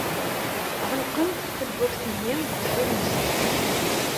Ɣelqent tawwurt-nni deffir-nsent.